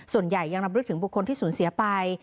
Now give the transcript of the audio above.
ส่วนใหญ่ยังรำลึกถึงบุคคลที่สูญเสียไป